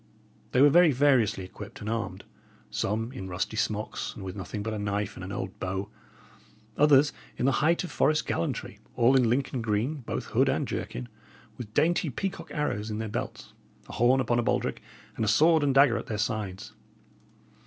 They were very variously equipped and armed; some in rusty smocks, and with nothing but a knife and an old bow; others in the height of forest gallantry, all in Lincoln green, both hood and jerkin, with dainty peacock arrows in their belts, a horn upon a baldrick, and a sword and dagger at their sides.